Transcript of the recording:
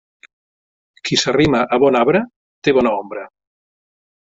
Qui s'arrima a bon arbre, té bona ombra.